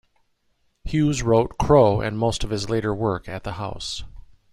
Hughes wrote "Crow" and most of his later work at the house.